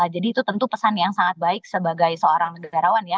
jadi itu tentu pesan yang sangat baik sebagai seorang negarawan ya